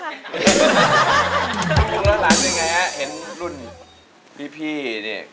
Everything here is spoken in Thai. แล้วหลังนี้ยังไงอ่ะเห็นรุ่นพี่เนี่ย